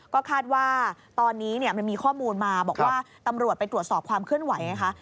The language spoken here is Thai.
ก็คาดว่าตอนนี้มันมีข้อมูลมาบอกว่าตำรวจไปตรวจสอบความเคลื่อนไหวไงคะ